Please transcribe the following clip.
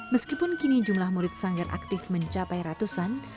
meskipun kini jumlah murid sanggar aktif mencapai ratusan